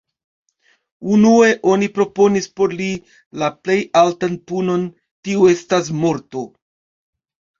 Unue oni proponis por li la plej altan punon, tio estas morto.